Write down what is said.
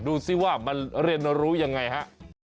ดูสิว่ามันเรียนรู้ยังไงฮะ